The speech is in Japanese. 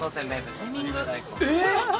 えっ！？